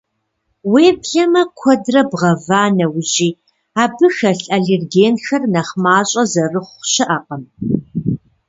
Уеблэмэ, куэдрэ бгъэва нэужьи, абы хэлъ аллергенхэр нэхъ мащӏэ зэрыхъу щыӏэкъым.